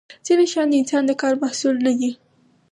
ځینې شیان د انسان د کار محصول نه دي.